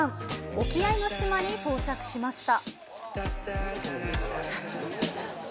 沖合の島に到着しました。